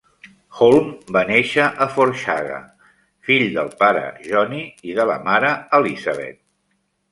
Holm va néixer a Forshaga, fill del pare Johnny i de la mare Elisabeth.